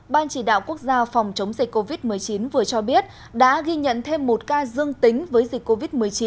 ban chỉ đạo quốc gia phòng chống dịch covid một mươi chín vừa cho biết đã ghi nhận thêm một ca dương tính với dịch covid một mươi chín